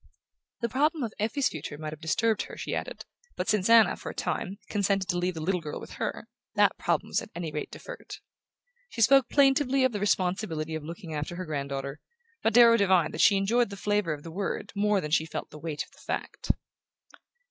The problem of Effie's future might have disturbed her, she added; but since Anna, for a time, consented to leave the little girl with her, that problem was at any rate deferred. She spoke plaintively of the responsibility of looking after her granddaughter, but Darrow divined that she enjoyed the flavour of the word more than she felt the weight of the fact.